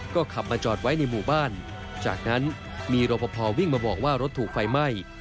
ก็ขับมาจอดไว้ในหมู่บ้านจากนั้นมีรปภวิ่งมาบอกว่ารถถูกไฟไหม้